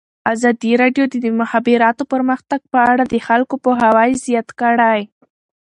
ازادي راډیو د د مخابراتو پرمختګ په اړه د خلکو پوهاوی زیات کړی.